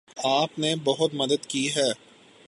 آپ نے بہت مدد کی ہے